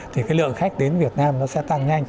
thì cái lượng khách đến việt nam nó sẽ tăng nhanh